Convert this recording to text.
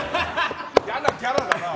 嫌なキャラだな！